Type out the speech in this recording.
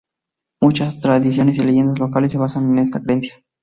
Muchas tradiciones y leyendas locales se basan en esta creencia.